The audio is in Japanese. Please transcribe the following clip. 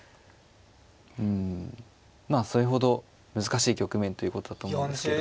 うんまあそれほど難しい局面ということだと思うんですけど。